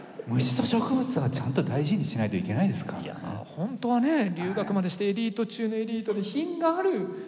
本当はね留学までしてエリート中のエリートで品があるお二人にもかかわらず。